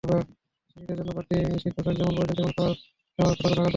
শিশুদের জন্য বাড়তি শীতপোশাক যেমন প্রয়োজন, তেমনি খাবারদাবারে সতর্ক থাকা দরকার।